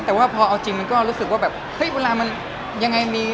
แต่ว่าพอเอาจริงมันก็รู้สึกว่าแบบเฮ้ยเวลามันยังไงมี